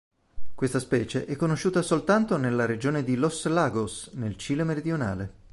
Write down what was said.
Questa specie è conosciuta soltanto nella Regione di Los Lagos, nel Cile meridionale.